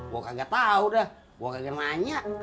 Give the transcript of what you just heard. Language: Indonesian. gue kagak tahu dah gue kagak nanya